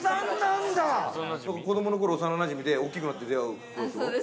子どもの頃、幼なじみで大きくなって出会う子。